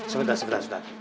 sebentar sebentar sebentar